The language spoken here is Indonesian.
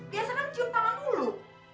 biasa kan cium tangan lu